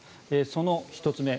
その１つ目。